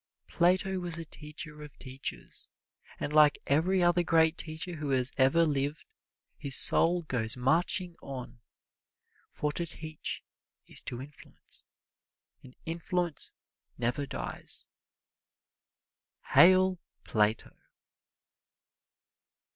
Plato was a teacher of teachers, and like every other great teacher who has ever lived, his soul goes marching on, for to teach is to influence, and influence never dies. Hail, Plato!